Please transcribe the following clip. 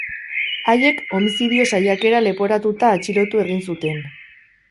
Haiek homizidio saiakera leporatuta atxilotu egin zuten.